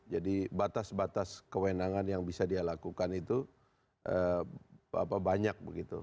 jadi batas batas kewenangan yang bisa dia lakukan itu banyak begitu